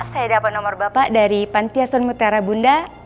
saya dapat nomor bapak dari panti asuhan mutiara bunda